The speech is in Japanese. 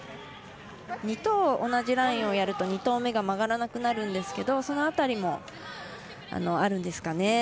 ２投、同じラインをやると２投目が曲がらなくなるんですけどその辺りもあるんですかね。